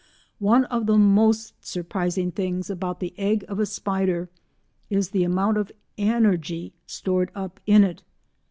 One of the most surprising things about the egg of a spider is the amount of energy stored up in it.